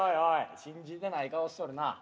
信じてない顔しとるなあ。